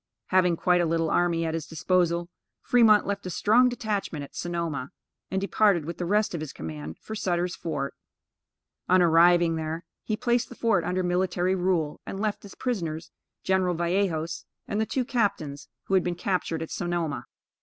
Having quite a little army at his disposal, Fremont left a strong detachment at Sonoma, and departed with the rest of his command for Sutter's Fort. On arriving there, he placed the fort under military rule, and left his prisoners, General Vallejos and the two captains, who had been captured at Sonoma.